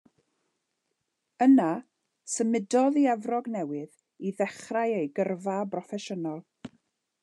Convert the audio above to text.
Yna symudodd i Efrog Newydd i ddechrau ei gyrfa broffesiynol.